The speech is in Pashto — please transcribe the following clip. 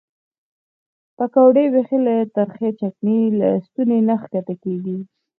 پیکورې بیخي له ترخې چکنۍ له ستوني نه ښکته کېږي.